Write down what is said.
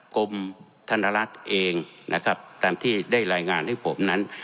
กรมธนลักษณ์เองนะครับตามที่ได้รายงานให้ผมนั้น